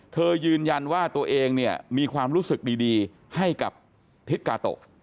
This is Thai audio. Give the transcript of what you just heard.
เธอยืนยันว่าตัวเองมีความรู้สึกดีให้กับธิศกาโต้